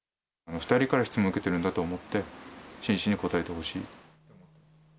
２人から質問受けているんだと思って、真摯に答えてほしい。